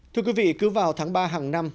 thưa quý vị cứ vào tháng ba hàng năm